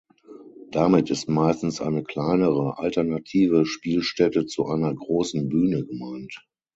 Damit ist meistens eine kleinere, alternative Spielstätte zu einer großen Bühne gemeint.